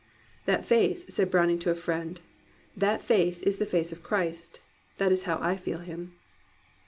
^*That face," said Browning to a friend, "that face is the face of Christ: that is how I feel Him."